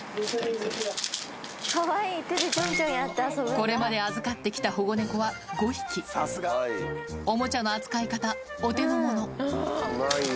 これまで預かって来た保護猫は５匹オモチャの扱い方お手のもの